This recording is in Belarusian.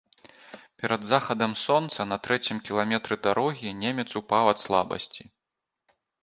Перад захадам сонца, на трэцім кіламетры дарогі, немец упаў ад слабасці.